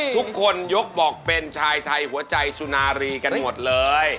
ทุกคนยกบอกเป็นชายไทยหัวใจสุนารีกันหมดเลย